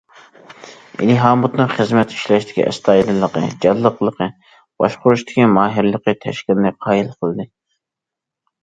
ئېلى ھامۇتنىڭ خىزمەت ئىشلەشتىكى ئەستايىدىللىقى، جانلىقلىقى، باشقۇرۇشتىكى ماھىرلىقى تەشكىلنى قايىل قىلدى.